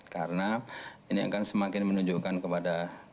karena ini akan semakin menunjukkan kepada dunia